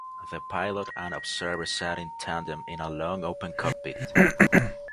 The pilot and observer sat in tandem in a long open cockpit.